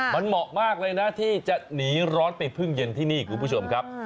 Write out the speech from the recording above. มันเหมาะมากเลยนะที่จะหนีร้อนไปพึ่งเย็นที่นี่คุณผู้ชมครับ